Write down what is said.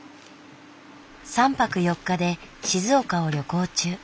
３泊４日で静岡を旅行中。